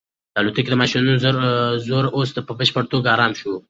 د الوتکې د ماشینونو زور اوس په بشپړه توګه ارام شو.